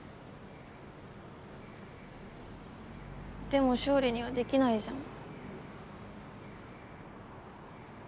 でも勝利にはできないじゃん。